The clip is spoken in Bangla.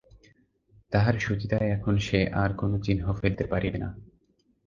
তাহার শুচিতায় এখন সে আর কোনো চিহ্ন ফেলিতে পারিবে না।